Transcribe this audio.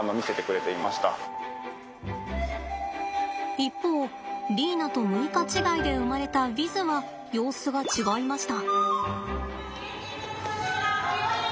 一方リーナと６日違いで生まれたヴィズは様子が違いました。